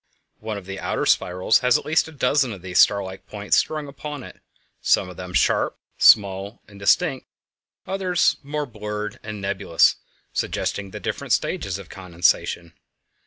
One of the outer spirals has at least a dozen of these star like points strung upon it; some of them sharp, small, and distinct, others more blurred and nebulous, suggesting different stages of condensation.